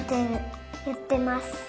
やってます。